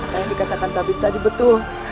yang dikatakan tabir tadi betul